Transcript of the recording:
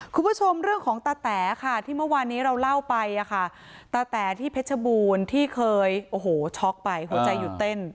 คุณผู้ชมเรื่องของตาแต๋ค่ะที่เมื่อวานนี้เราเล่าไปอ่ะค่ะตาแต๋ที่เพชรบูรณ์ที่เคยโอ้โหช็อกไปหัวใจหยุดเต้น